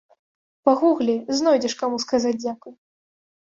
Пагуглі, знойдзеш каму сказаць дзякуй.